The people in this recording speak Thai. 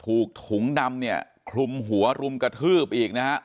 ถูกถุงดำเนี่ยคลุมหัวรุมกระทืบอีกนะฮะ